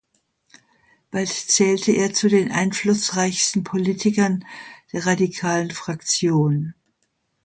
Bald zählte er zu den einflussreichsten Politikern der radikalen Fraktion.